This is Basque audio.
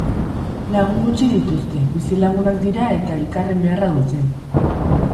Lagun gutxi dituzte, bizilagunak dira eta elkarren beharra dute.